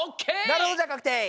なるほどじゃあかくてい。